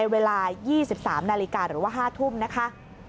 เวลา๒๓นาฬิกาหรือว่า๕ทุ่มนะคะ